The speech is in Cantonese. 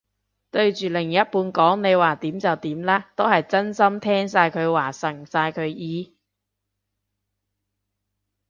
對住另一半講你話點就點啦，都係真心聽晒佢話順晒佢意？